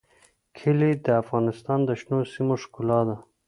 کلي د افغانستان د شنو سیمو ښکلا ده.